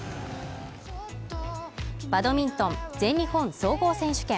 バドミントン全日本総合選手権。